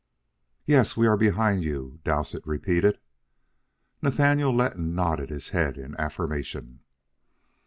"Yes, we are behind you," Dowsett repeated. Nathaniel Letton nodded his head in affirmation.